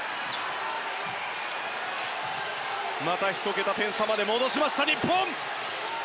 また１桁点差まで戻しました日本！